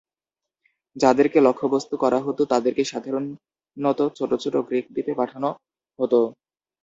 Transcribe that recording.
যাদেরকে লক্ষ্যবস্তু করা হতো, তাদেরকে সাধারণত ছোট ছোট গ্রিক দ্বীপে পাঠানো হতো।